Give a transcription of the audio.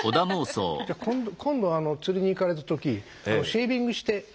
今度釣りに行かれた時シェービングして。